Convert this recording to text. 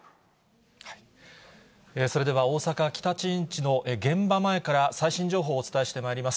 それでは大阪・北新地の現場前から最新情報をお伝えしてまいります。